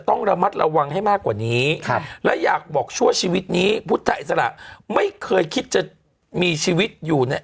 ที่เกิดที่พระชีวิตนี้พุทธอิสระไม่เคยคิดจะมีชีวิตอยู่นี่